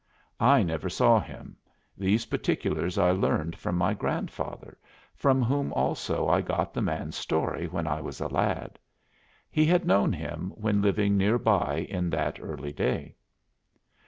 I never saw him; these particulars I learned from my grandfather, from whom also I got the man's story when I was a lad. He had known him when living near by in that early day.